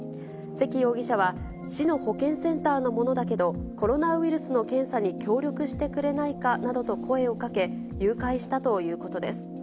関容疑者は、市の保健センターの者だけど、コロナウイルスの検査に協力してくれないかなどと声をかけ、誘拐したということです。